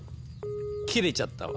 切れちゃったわ。